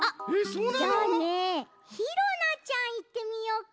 じゃあねひろなちゃんいってみようか。